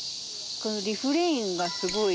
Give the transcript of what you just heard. リフレインがすごい。